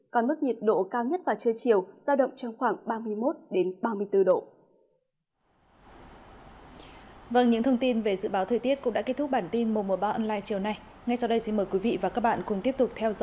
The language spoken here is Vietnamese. còn mức nhiệt độ cao nhất vào trưa chiều giao động trong khoảng ba mươi một ba mươi bốn độ